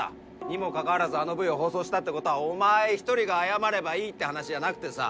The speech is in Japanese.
にもかかわらずあのＶを放送したってことはお前１人が謝ればいいって話じゃなくてさ。